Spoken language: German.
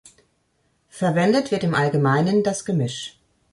Verwendet wird im Allgemeinen das Gemisch.